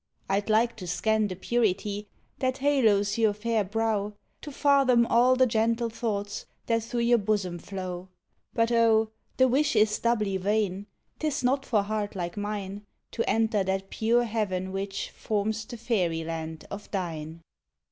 I'd like to scan the purity that halos your fair brow, To fathom all the gentle thoughts that through your bosom flow But oh! the wish is doubly vain, 'tis not for heart like mine To enter that pure heaven which forms the fairy land of thine.